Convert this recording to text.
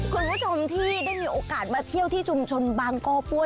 คุณผู้ชมที่ได้มีโอกาสมาเที่ยวที่ชุมชนบางกอป้วย